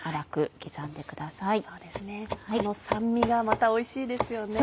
この酸味がまたおいしいですよね。